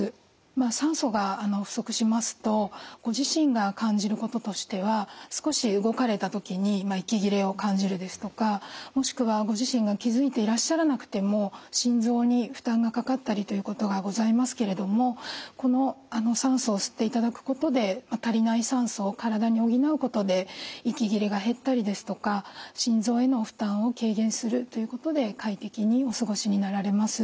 酸素が不足しますとご自身が感じることとしては少し動かれた時に息切れを感じるですとかもしくはご自身が気付いていらっしゃらなくても心臓に負担がかかったりということがございますけれどもこの酸素を吸っていただくことで足りない酸素を体に補うことで息切れが減ったりですとか心臓への負担を軽減するということで快適にお過ごしになられます。